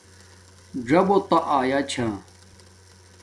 ژݹتا آیا چھا